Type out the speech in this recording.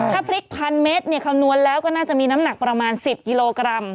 ถ้าพริก๑๐๐เมตรคำนวณแล้วก็น่าจะมีน้ำหนักประมาณ๑๐กิโลกรัม